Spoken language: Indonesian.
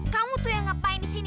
kamu tuh yang ngapain di sini